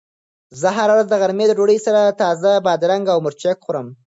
زه هره ورځ د غرمې د ډوډۍ سره تازه بادرنګ او مرچ خورم.